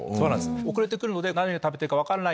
遅れて来るので何を食べていいか分からない。